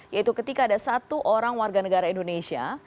yaitu ketika ada satu orang warga negara indonesia